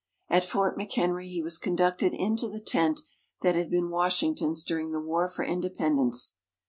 At Fort McHenry, he was conducted into the tent that had been Washington's during the War for Independence.